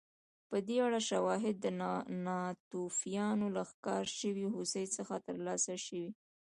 په دې اړه شواهد د ناتوفیانو له ښکار شوې هوسۍ څخه ترلاسه شوي